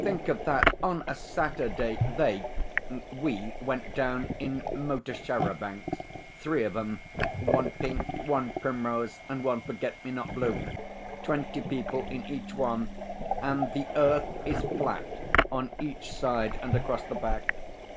Think of that on a Saturday! They we went down in motor char à bancs three of 'em one pink, one primrose, and one forget me not blue twenty people in each one and "The Earth is Flat" on each side and across the back.